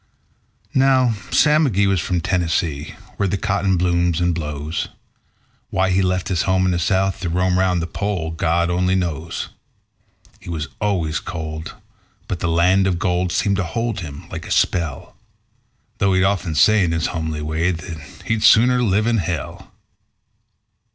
Now Sam McGee was from Tennessee, where the cotton blooms and blows. Why he left his home in the South to roam 'round the Pole, God only knows. He was always cold, but the land of gold seemed to hold him like a spell; Though he'd often say in his homely way that he'd "sooner live in hell".